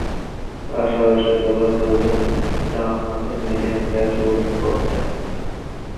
পাশাপাশি দলের প্রয়োজনে ডানহাতে মিডিয়াম পেস বোলিং করতেন।